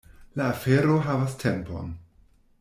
La afero havas tempon.